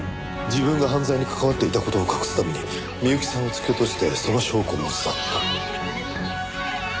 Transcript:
自分が犯罪に関わっていた事を隠すために美由紀さんを突き落としてその証拠を持ち去った。